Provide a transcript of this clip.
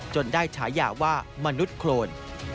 ได้ฉายาว่ามนุษย์โครน